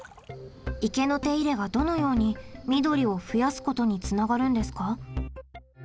池の手入れがどのように「緑を増やすこと」につながるんですか？